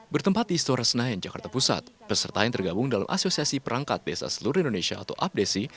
bertempat di istora senayan jakarta pusat peserta yang tergabung dalam asosiasi perangkat desa seluruh indonesia atau apdesi